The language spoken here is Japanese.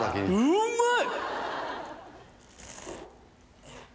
うまい！